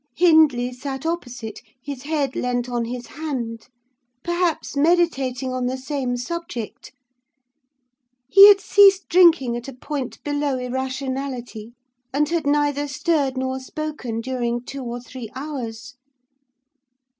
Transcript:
Hindley sat opposite, his head leant on his hand; perhaps meditating on the same subject. He had ceased drinking at a point below irrationality, and had neither stirred nor spoken during two or three hours.